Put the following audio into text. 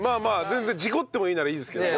全然事故ってもいいならいいですけど。